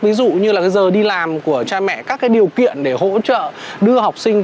ví dụ như là cái giờ đi làm của cha mẹ các cái điều kiện để hỗ trợ đưa học sinh